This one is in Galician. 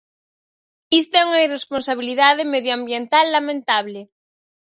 Isto é unha irresponsabilidade medioambiental lamentable.